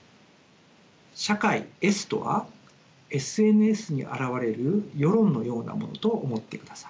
社会とはＳＮＳに現れる世論のようなものと思ってください。